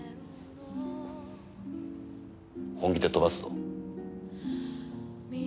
本気で飛ばすぞ。